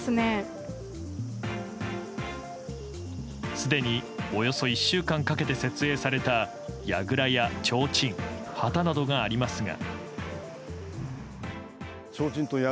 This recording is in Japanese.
すでにおよそ１週間かけて設営されたやぐらやちょうちん、旗などがありますが。